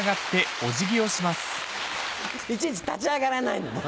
いちいち立ち上がらないの。